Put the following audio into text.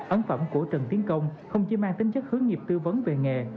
ấn phẩm của trần tiến công không chỉ mang tính chất hướng nghiệp tư vấn về nghề